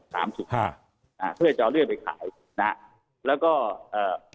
สามสิบห้าอ่าเพื่อจะเอาเลือดไปขายนะฮะแล้วก็เอ่อ